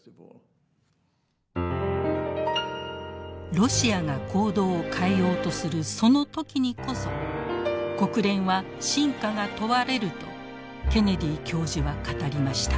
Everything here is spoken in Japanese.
ロシアが行動を変えようとするその時にこそ国連は真価が問われるとケネディ教授は語りました。